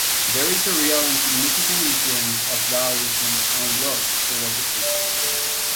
There is a real and significant influence of Daoism on Lu's philosophy.